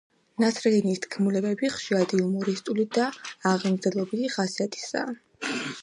ნასრედინის თქმულებები ხშირად იუმორისტული და აღმზრდელობითი ხასიათისაა.